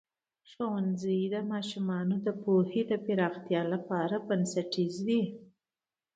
ښوونځی د ماشومانو د پوهې د پراختیا لپاره بنسټیز دی.